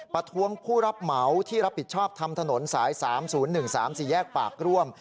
ประท้วงผู้รับเหมาที่รับผิดชอบทำถนนสาย๓๐๑๓๔แยกปากร่วม